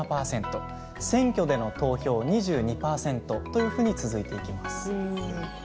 選挙での投票２２％というふうに続いていきます。